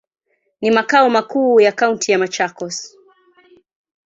Ni makao makuu ya kaunti ya Machakos.